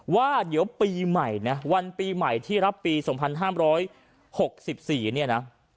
ว่าเดี๋ยวปีใหม่นะวันปีใหม่ที่รับปี๒๕๖๔เนี่ยนะ